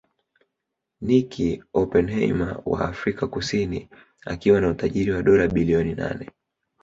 Nicky Oppenheimer wa Afrika Kusini akiwa na utajiri wa dola bilioni nane